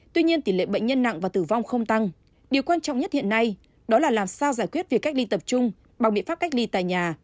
tuy nhiên tỷ lệ bệnh nhân nặng và tử vong không tăng điều quan trọng nhất hiện nay đó là làm sao giải quyết việc cách ly tập trung bằng biện pháp cách ly tại nhà